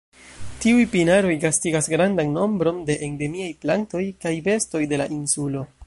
Tiuj pinaroj gastigas grandan nombron de endemiaj plantoj kaj bestoj de la insulo.